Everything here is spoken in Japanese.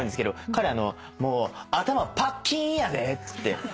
彼「もう頭パッキーンやで」って。